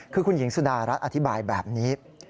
คือคุณหญิงสุดารัฐอธิบายแบบนี้